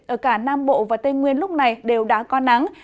ở cả nam bộ và tây nguyên lúc này đều đã có nắng